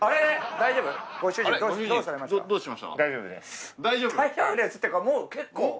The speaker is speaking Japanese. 大丈夫ですっていうかもう結構。